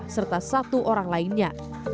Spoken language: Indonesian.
serta satu orang lainnya